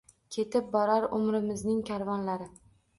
Ketib borar umrimizning karvonlari